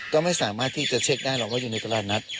ก็ไม่สามารถที่จะเช็คได้หรอกว่าอยู่ในตลาดนัด